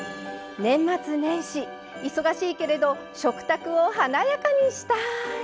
年末年始忙しいけれど食卓を華やかにしたい！